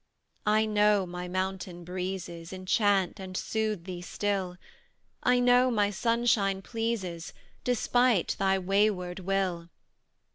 I know my mountain breezes Enchant and soothe thee still, I know my sunshine pleases, Despite thy wayward will.